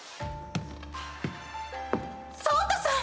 草太さん！